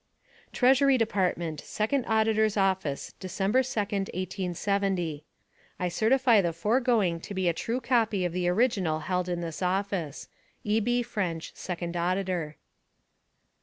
TREASURY DEPARTMENT, \ SECOND AUDITOR'S OFFICE, December 2d, 1870. j I certify the foregoing to be a true copy of the original filed in this office. E. B. FRENCH, Second Auditor.